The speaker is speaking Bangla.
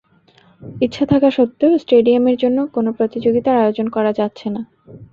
ইচ্ছা থাকা সত্ত্বেও স্টেডিয়ামের জন্য কোনো প্রতিযোগিতার আয়োজন করা যাচ্ছে না।